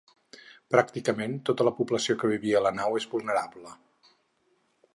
Pràcticament tota la població que vivia a la nau és vulnerable.